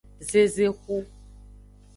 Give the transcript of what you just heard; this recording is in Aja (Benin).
Zezexu.